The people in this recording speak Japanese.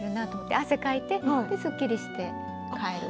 汗をかいてすっきりして帰る。